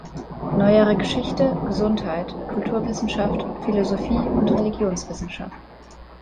Neuere Geschichte, Gesundheit, Kulturwissenschaft, Philosophie und Religionswissenschaft.